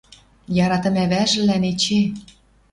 Яратым ӓвӓжӹлӓн эче.